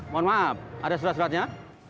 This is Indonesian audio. mohon maaf ada surat suratnya